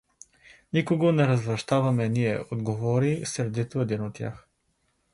— Никого не развращаваме ние — отговори сърдито един от тях.